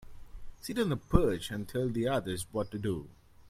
Sit on the perch and tell the others what to do.